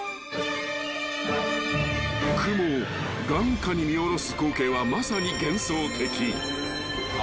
［雲を眼下に見下ろす光景はまさに］